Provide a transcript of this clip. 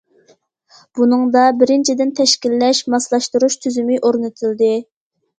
بۇنىڭدا، بىرىنچىدىن، تەشكىللەش، ماسلاشتۇرۇش تۈزۈمى ئورنىتىلدى.